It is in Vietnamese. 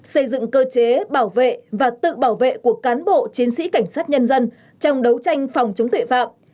xây dựng cơ chế bảo vệ và tự bảo vệ của cán bộ chiến sĩ cảnh sát nhân dân trong đấu tranh phòng chống tội phạm